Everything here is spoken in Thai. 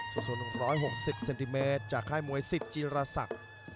สูง๑๖๐เซนติเมตรจากค่ายมวยสิทธิจิรษัก